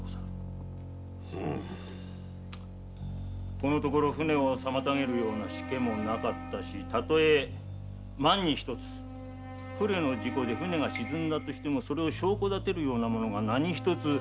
最近は船を妨げるような時化もなかったしたとえ万に一つ不慮の事故で沈んだとしてもそれを証拠だてるものが何一つ。